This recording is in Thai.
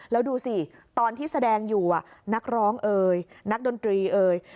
แล้วดูสิตอนที่แสดงอยู่นักร้องเอ่ยนักดนตรีเอ่ย